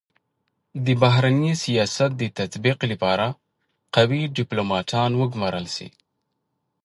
د بهرني سیاست د تطبیق لپاره قوي ډيپلوماتان و ګمارل سي.